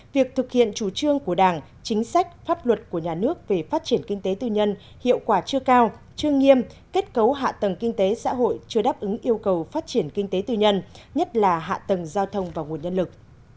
việc thực hiện chủ trương của đảng chính sách pháp luật của nhà nước về phát triển kinh tế tư nhân hiệu quả chưa cao chưa nghiêm kết cấu hạ tầng kinh tế xã hội chưa đáp ứng yêu cầu phát triển kinh tế tư nhân nhất là hạ tầng giao thông và nguồn nhân lực